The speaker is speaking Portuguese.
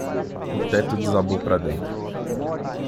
O teto desabou para dentro.